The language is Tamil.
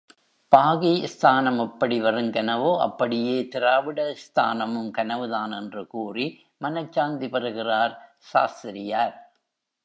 பாகிஸ்தானம் எப்படி வெறுங்கனவோ, அப்படியே திராவிடஸ்தானமும் கனவுதான் என்று கூறி, மனச் சாந்தி பெறுகிறார் சாஸ்திரியார்.